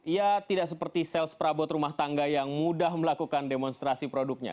ia tidak seperti sales perabot rumah tangga yang mudah melakukan demonstrasi produknya